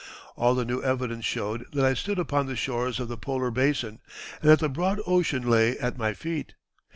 All the new evidence showed that I stood upon the shores of the polar basin, and that the broad ocean lay at my feet....